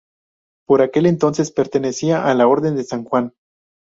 Por aquel entonces pertenecía a la Orden de San Juan.